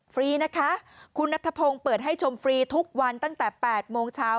ฟรีนะคะคุณนัทพงศ์เปิดให้ชมฟรีทุกวันตั้งแต่๘โมงเช้า